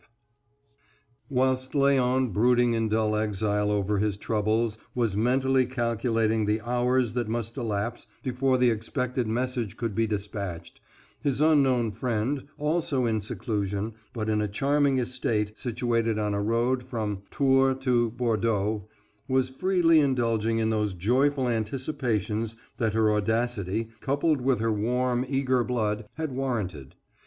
V Whilst Léon, brooding in dull exile over his troubles, was mentally calculating the hours that must elapse before the expected message could be despatched, his unknown friend, also in seclusion, but in a charming estate situated on the road from Tours to Bordeaux, was freely indulging in those joyful anticipations that her audacity, coupled with her warm, eager blood, had warranted.